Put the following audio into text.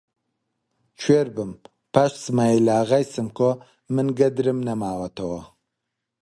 کوێر بم، پاش سمایلاغای سمکۆ من گەدرم نەماوەتەوە!